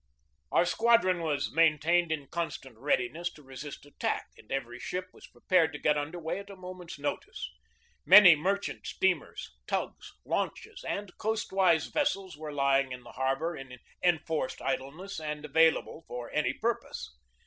Our squadron was maintained in constant readi ness to resist attack and every ship was prepared to get under way at a moment's notice. Many mer chant steamers, tugs, launches, and coastwise vessels were lying in the harbor in enforced idleness and avail able for any purpose.